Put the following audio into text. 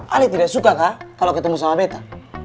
ali tidak suka kah kalau ketemu sama betta